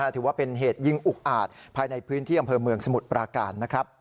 ถือว่าเป็นเหตุยิงอุกอาจภายในพื้นที่อำเภอเมืองสมุทรปราการนะครับ